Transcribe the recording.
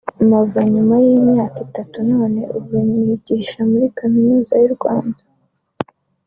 mpava nyuma y’imyaka itatu none ubu nigisha muri Kaminuza y’u Rwanda”